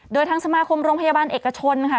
โดยทางสมาคมโรงพยาบาลเอกชนค่ะ